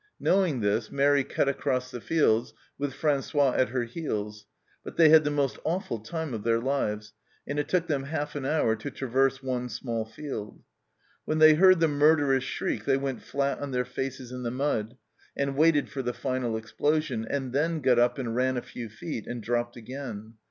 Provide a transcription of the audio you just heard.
Knowing this, Mairi cut across the fields, with Francois at her heels, but they had the most awful time of their lives, and it took them half an hour to traverse one small field ! When they heard the murderous shriek they went flat on their faces in the mud, and waited for the final explosion, and then got up and ran a few feet and dropped again.